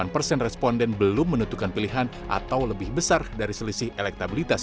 delapan persen responden belum menentukan pilihan atau lebih besar dari selisih elektabilitas